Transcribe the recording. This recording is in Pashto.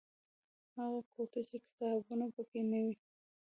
هغه کوټه چې کتابونه پکې نه وي.